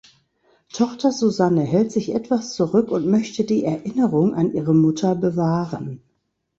Tochter Susanne hält sich etwas zurück und möchte die Erinnerung an ihre Mutter bewahren.